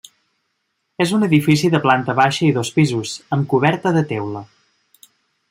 És un edifici de planta baixa i dos pisos, amb coberta de teula.